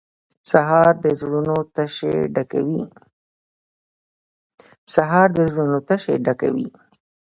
سهار د زړونو تشې ډکوي.